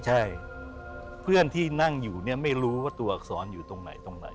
ใช่เพื่อนที่นั่งอยู่เนี่ยไม่รู้ว่าตัวอักษรอยู่ตรงไหนตรงไหน